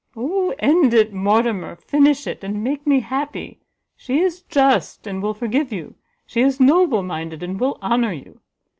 Oh end it, Mortimer, finish it, and make me happy! she is just, and will forgive you, she is noble minded, and will honour you.